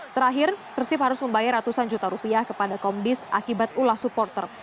terakhir persib harus membayar ratusan juta rupiah kepada komdis akibat ulah supporter